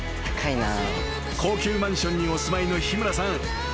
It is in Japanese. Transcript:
［高級マンションにお住まいの日村さん。